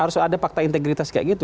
harus ada fakta integritas kayak gitu